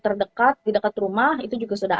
terdekat di dekat rumah itu juga sudah